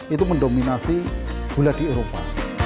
itu mendominasi gula di eropa